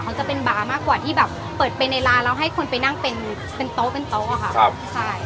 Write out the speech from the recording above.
เขาจะเป็นบาร์มากกว่าที่แบบเปิดไปในร้านแล้วให้คนไปนั่งเป็นโต๊ะเป็นโต๊ะอะค่ะใช่